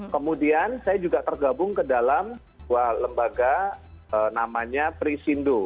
kemudian saya juga tergabung ke dalam dua lembaga namanya prisindo